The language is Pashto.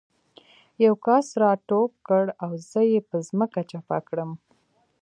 یو کس را ټوپ کړ او زه یې په ځمکه چپه کړم